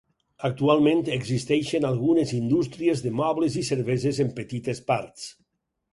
Actualment, existeixen algunes indústries de mobles i cerveses en petites parts.